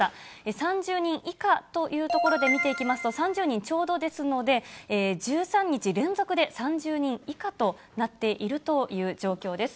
３０人以下というところで見ていきますと、３０人ちょうどですので、１３日連続で３０人以下となっているという状況です。